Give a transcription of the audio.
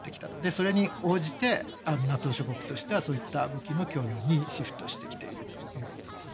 それに応じてＮＡＴＯ諸国としてはそういった武器の供与にシフトしてきていると思います。